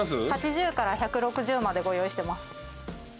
８０から１６０までご用意してます。